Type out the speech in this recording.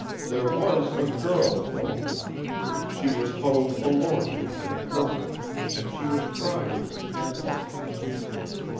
There was a girl, though. She was huddled forlornly in a corner, and she was crying.